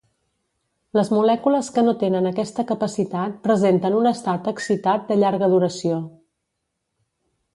Les molècules que no tenen aquesta capacitat presenten un estat excitat de llarga duració.